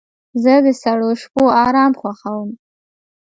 زه د سړو شپو آرام خوښوم.